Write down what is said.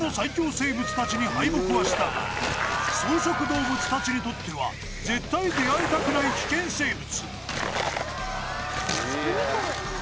生物たちに敗北はしたが草食動物たちにとっては絶対出会いたくない危険生物